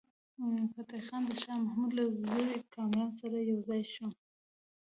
فتح خان د شاه محمود له زوی کامران سره یو ځای شو.